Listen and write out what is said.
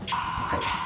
はい。